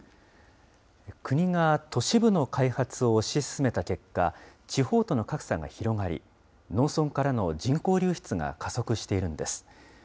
国が都市部の開発を推し進めた結果、地方との格差が広がり、農村からの人口流出が加速しているんです。